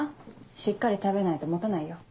しっかり食べないと持たないよ。